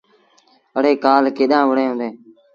اَڙي ڪآل ڪيڏآن وُهڙيٚن هُݩديٚݩ۔